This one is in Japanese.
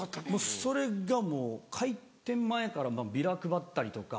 それがもう開店前からビラ配ったりとか。